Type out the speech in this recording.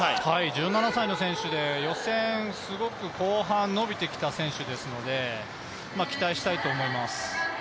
１７歳の選手で予選すごく後半伸びてきた選手ですので、期待したいと思います。